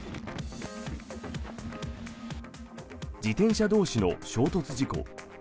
自転車同士の衝突事故。